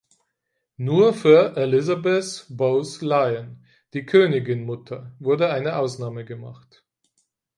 Nur für Elizabeth Bowes-Lyon, die Königinmutter, wurde eine Ausnahme gemacht.